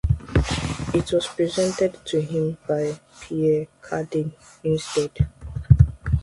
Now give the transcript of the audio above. It was presented to him by Pierre Cardin instead.